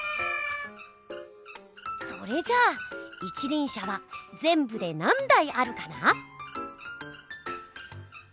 それじゃあ一りん車はぜんぶで何だいあるかな？